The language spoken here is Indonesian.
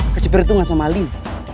kasih peruntungan sama alin